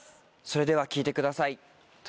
それでは聴いてください